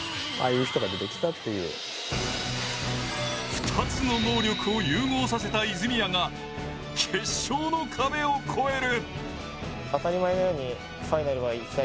２つの能力を融合させた泉谷が決勝の壁を超える。